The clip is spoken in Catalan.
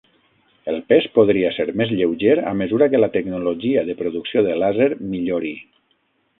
El pes podria ser més lleuger a mesura que la tecnologia de producció de làser millori.